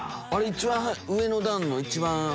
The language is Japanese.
一番上の段の一番端っこ